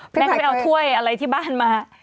แม่ก็ไปเอาถ้วยอะไรที่บ้านมา